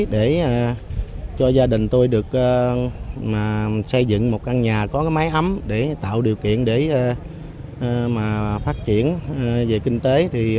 để cho gia đình tôi được xây dựng một căn nhà có máy ấm để tạo điều kiện để phát triển về kinh tế